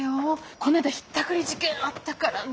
こないだひったくり事件あったからね。